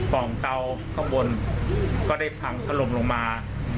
กล่องเตาข้างบนก็ได้พังถล่มลงมา